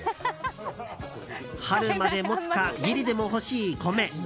春までもつか義理でも欲しい米。